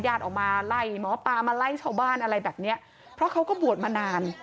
ออกมาไล่หมอปลามาไล่ชาวบ้านอะไรแบบเนี้ยเพราะเขาก็บวชมานาน